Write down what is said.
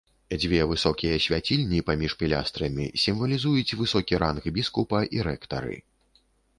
Две высокія свяцільні паміж пілястрамі сімвалізуюць высокі ранг біскупа і рэктары.